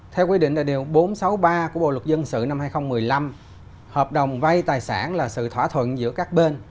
theo quy định tại điều bốn trăm sáu mươi ba của bộ luật dân sự năm hai nghìn một mươi năm hợp đồng vay tài sản là sự thỏa thuận giữa các bên